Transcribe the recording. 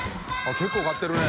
結構買ってるね。